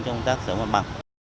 chúng ta sẽ mất mặt